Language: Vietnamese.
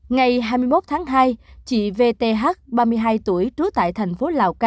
ngày hai mươi một tháng hai chị vth ba mươi hai tuổi trú tại thành phố